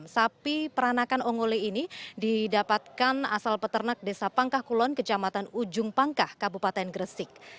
sapi peranakan ongole ini didapatkan asal peternak desa pangkah kulon kecamatan ujung pangkah kabupaten gresik